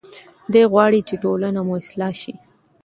دی غواړي چې ټولنه مو اصلاح شي.